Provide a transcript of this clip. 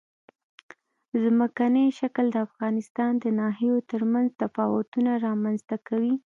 ځمکنی شکل د افغانستان د ناحیو ترمنځ تفاوتونه رامنځ ته کوي.